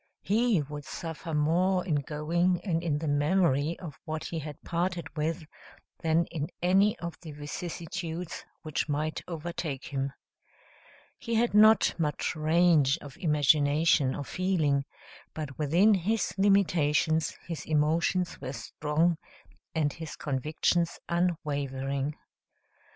He would suffer more in going, and in the memory of what he had parted with, than in any of the vicissitudes which might overtake him. He had not much range of imagination or feeling, but within his limitations his emotions were strong and his convictions unwavering.